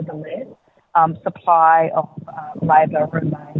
dari dua ribu dua puluh lima ke depan